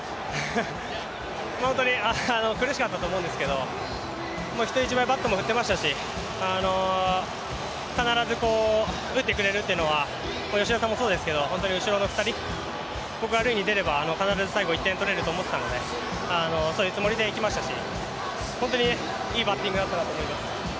本当に苦しかったと思うんですけど人一倍バットも振ってましたし必ず打ってくれるというのは吉田さんもそうですけど、本当に後ろの２人、僕が塁に出れば必ず最後１点取れると思ったので、そういうつもりでいきましたし本当にいいバッティングだったなと思います。